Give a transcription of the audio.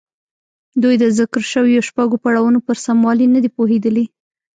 دوی د ذکر شويو شپږو پړاوونو پر سموالي نه دي پوهېدلي.